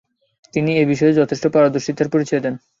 তিনি এ বিষয়ে যথেষ্ট পারদর্শীতার পরিচয় দেন।